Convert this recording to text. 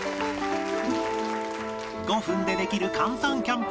５分でできる簡単キャンプ飯